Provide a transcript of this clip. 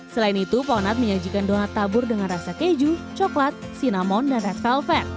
selain itu ponat menyajikan donat tabur dengan rasa keju coklat sinamon dan red velvet